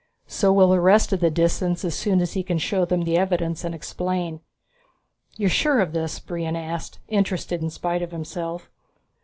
So will the rest of the Disans as soon as he can show them the evidence and explain." "You're sure of this?" Brion asked, interested in spite of himself.